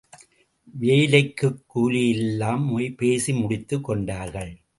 வேலைக்குக் கூலியெல்லாம் பேசி முடித்துக் கொண்டார்கள்.